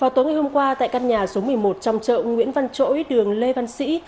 vào tối ngày hôm qua tại căn nhà số một mươi một trong chợ nguyễn văn chỗi đường lê văn sĩ